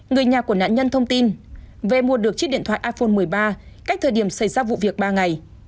người nhà của nạn nhân thông tin về mua được chiếc điện thoại iphone một mươi ba cách thời điểm xảy ra vụ việc ba ngày